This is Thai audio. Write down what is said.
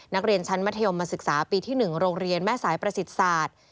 นักเรียนชั้นมัธยมมาศึกษาปีที่๑โรงเรียนแม่สายประสิทธิ์ศาสตร์